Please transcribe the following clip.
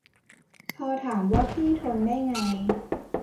พอถามว่าพี่ทนได้ไง